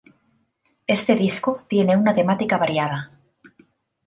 Este disco tiene una temática variada.